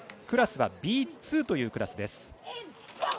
クラスはＢ２というクラスです。